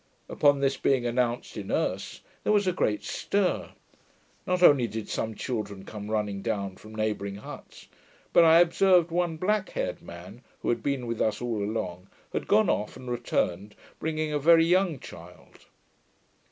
Upon this being announced in Erse, there was a great stir; not only did some children come running down from neighbouring huts, but I observed one black haired man, who had been with us all along, had gone off, and returned, bringing a very young child.